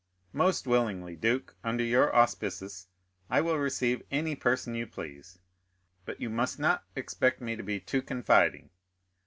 "Most willingly, duke; under your auspices I will receive any person you please, but you must not expect me to be too confiding.